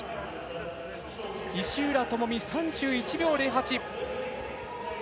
石浦智美、３１秒０８。